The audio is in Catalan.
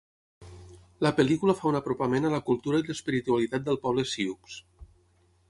La pel·lícula fa un apropament a la cultura i l'espiritualitat del poble sioux.